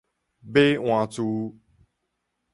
馬鞍苴